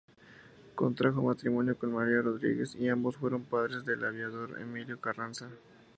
Contrajo matrimonio con María Rodríguez, y ambos fueron padres del aviador Emilio Carranza.